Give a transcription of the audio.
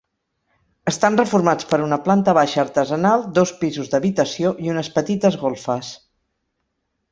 Estan reformats per una planta baixa artesanal, dos pisos d'habitació i unes petites golfes.